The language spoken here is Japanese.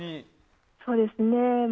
そうですね。